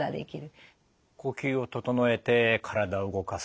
呼吸を整えて体を動かす。